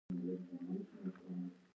افغانستان د طبیعي زیرمې کوربه دی.